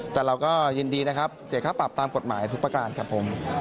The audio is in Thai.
แต่เราก็ยินดีนะครับเสียค่าปรับตามกฎหมายทุกประการครับผม